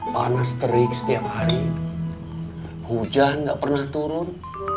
panas terik setiap hari hujan tidak pernah turun